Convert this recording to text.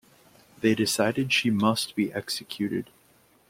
They decide she must be executed.